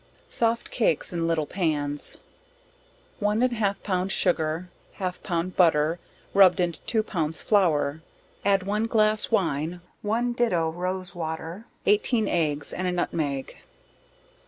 Soft Cakes in little pans. One and half pound sugar, half pound butter, rubbed into two pounds flour, add one glass wine, one do. rose water, 18 eggs and a nutmeg.